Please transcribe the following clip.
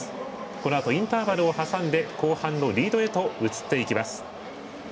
このあとインターバルをはさんで後半のリードへと移っていきます。